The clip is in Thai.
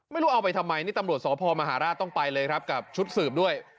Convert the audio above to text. ไม่รู้เอาไปทำไมนี่ตำรวจสพมหาราชต้องไปเลยครับกับชุดสืบด้วย